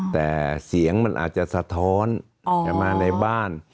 แต่เสียงมันอาจจะสะท้อนมาในบ้าน